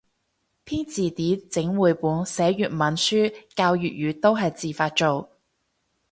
編字典整繪本寫粵文書教粵語都係自發做